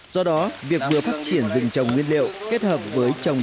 do đó việc vừa phát triển rừng trồng nguyên liệu kết hợp với trồng